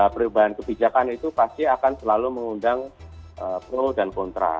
perubahan kebijakan itu pasti akan selalu mengundang pro dan kontra